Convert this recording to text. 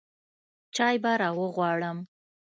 چاى به راغواړم.